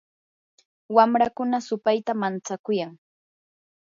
wamrakuna supaytam mantsakuyan.